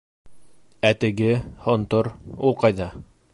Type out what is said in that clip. Ә теге... һонтор... ул ҡайҙа?